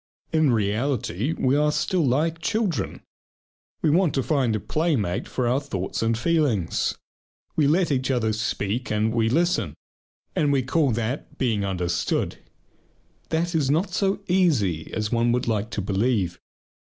In reality, we are still like children. We want to find a playmate for our thoughts and feelings. We let each other speak and we listen, and we call that "being understood." That is not so easy as one would like to believe.